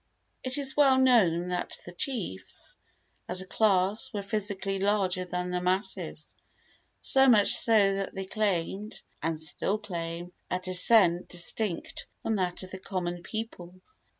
It is well known that the chiefs, as a class, were physically larger than the masses, so much so that they claimed, and still claim, a descent distinct from that of the common people.